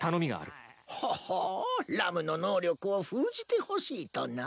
ほほうラムの能力を封じてほしいとな？